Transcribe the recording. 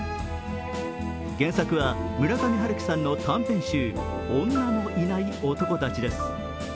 原作は村上春樹さんの短編集、「女のいない男たち」です。